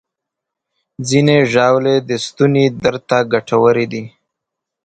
ځینې ژاولې د ستوني درد ته ګټورې دي.